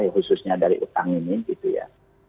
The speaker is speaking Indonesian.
khususnya dari utang ini gitu ya